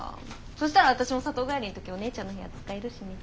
そしたら私も里帰りの時お姉ちゃんの部屋使えるしね。